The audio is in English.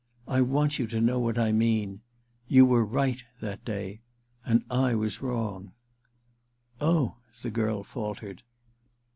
'I want you to know what I mean. You were right— that day — and I was wrong/ * Oh/ the girl faltered.